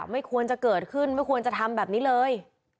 ไม่ควรจะเกิดขึ้นไม่ควรจะทำแบบนี้เลย